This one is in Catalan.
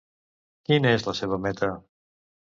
Quina és la seva meta?